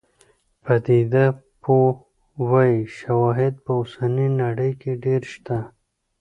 پدیده پوه وايي شواهد په اوسنۍ نړۍ کې ډېر شته.